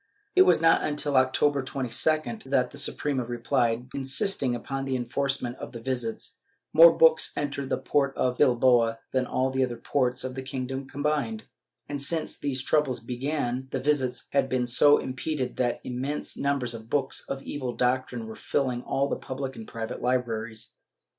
It was not until October 22d that the Suprema replied, insisting upon the enforcement of the visits; more books entered the port of Bilbao than all the other ports of the kingdom combined, and since these troubles began the visits had been so impeded that immense numbers of books of evil doctrine were filling all the public and private libraries.